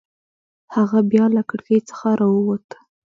هغه بیا له کړکۍ څخه راووت.